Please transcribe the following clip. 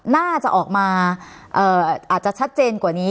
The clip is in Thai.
น่าจะออกมาอาจจะชัดเจนกว่านี้